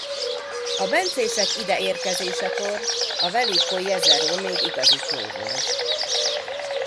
A bencések ide érkezésekor a Veliko Jezero még igazi tó volt.